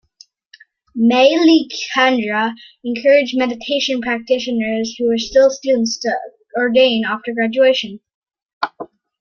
Mae Ji Chandra encouraged meditation practitioners who were still students to ordain after graduation.